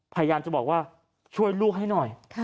พยายามจะบอกว่าช่วยลูกให้หน่อย